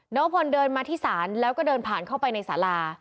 น้องพลเดินมาที่ศาลแล้วก็เดินผ่านเข้าไปในสารา